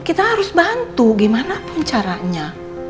kita harus bantu gimana pun caranya